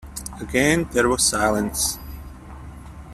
Again there was silence;